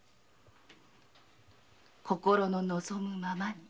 「心の望むままに」